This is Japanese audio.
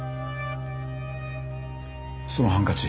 そのハンカチ